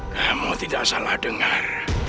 kamu tidak salah dengar